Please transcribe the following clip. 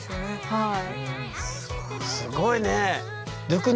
はい。